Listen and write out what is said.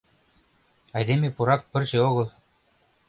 Айдеме пурак пырче огыл.